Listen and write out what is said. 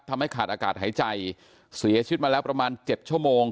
ทำให้ขาดอากาศหายใจเสียชีวิตมาแล้วประมาณเจ็ดชั่วโมง